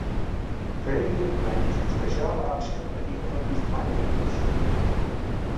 Freegje nei ús spesjale aksje by ien fan ús meiwurkers.